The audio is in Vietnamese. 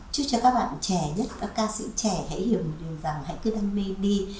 chúc cho các bạn trẻ nhất các ca sĩ trẻ hãy hiểu một điều rằng hãy cứ đam mê đi